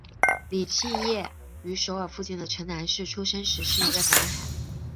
李庆烨于首尔附近的城南市出生时是一个男孩。